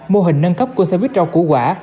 mô hình nâng cấp của xe buýt rau củ quả